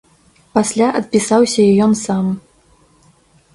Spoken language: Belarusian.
Пасля адпісаўся і ён сам.